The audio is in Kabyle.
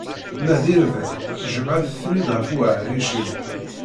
Ma d irden, jemɛet-ten-id ɣer uɛric-iw.